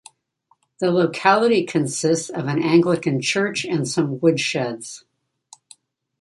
The locality consists of an Anglican Church and some woolsheds.